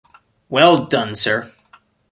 Well done, sir!